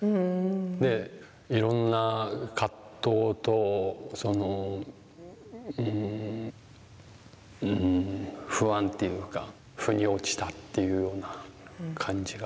でいろんな葛藤とそのうん不安っていうかふに落ちたっていうような感じがあって。